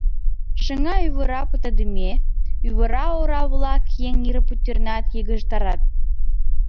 Шыҥа-ӱвыра пытыдыме; ӱвыра ора-влак еҥ йыр пӱтырнат, йыгыжтарат.